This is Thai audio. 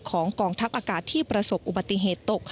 กองทัพอากาศที่ประสบอุบัติเหตุตก